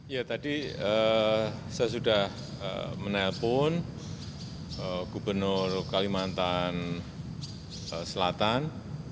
ya tadi saya sudah menelpon gubernur kalimantan selatan